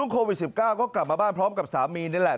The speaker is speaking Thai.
โควิด๑๙ก็กลับมาบ้านพร้อมกับสามีนี่แหละ